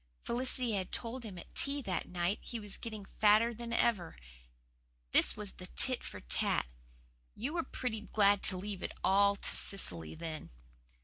Felicity had told him at tea that night he was getting fatter than ever. This was his tit for tat. "You were pretty glad to leave it all to Cecily then."